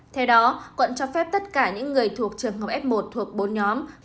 theo đó quận cho phép tất cả những người thuộc trường hợp f một thuộc bốn nhóm